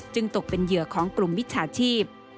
ตกเป็นเหยื่อของกลุ่มมิจฉาชีพ